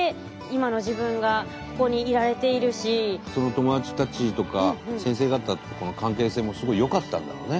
友達たちとか先生方との関係性もすごいよかったんだろうね。